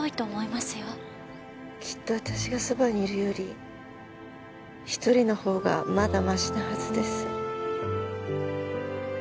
きっと私がそばにいるより１人のほうがまだましなはずです。